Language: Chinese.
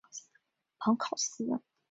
蓬考斯。